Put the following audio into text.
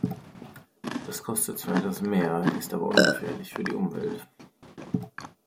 Das kostet zwar etwas mehr, ist aber ungefährlich für die Umwelt.